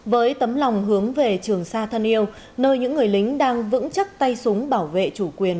với tấm lòng hướng về trường sa thân yêu nơi những người lính đang vững chắc tay súng bảo vệ chủ quyền